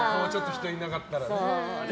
人いなかったらね。